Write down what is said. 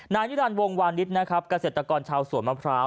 นายนิรันดิ์วงวาลนิดนะครับกระเศรษฐกรชาวสวนมะพร้าว